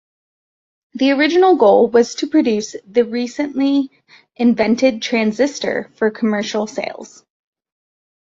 The original goal was to produce the recently invented transistor for commercial sales.